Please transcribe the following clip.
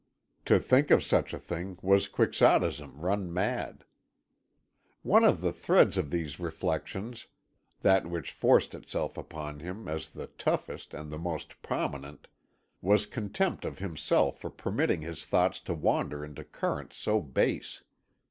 To think of such a thing was Quixotism run mad. One of the threads of these reflections that which forced itself upon him as the toughest and the most prominent was contempt of himself for permitting his thoughts to wander into currents so base.